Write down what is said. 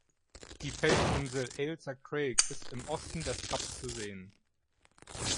Die Felsinsel Ailsa Craig ist im Osten des Kaps zu sehen.